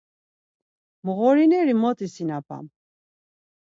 Mğorineri mot isinapam.